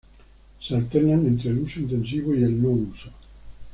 Se alternan entre el uso intensivo y el no uso.